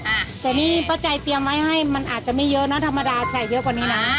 อ่ะแต่นี่ป้าใจเตรียมไว้ให้มันอาจจะไม่เยอะนะธรรมดาใส่เยอะกว่านี้นะ